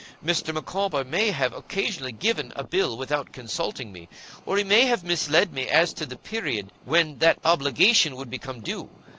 Mr. Micawber may have occasionally given a bill without consulting me, or he may have misled me as to the period when that obligation would become due.